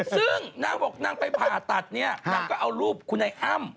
ซึ่งนางบอกนางไปผ่าตัดเนี่ยนางก็เอารูปคุณไอ้อ้ำ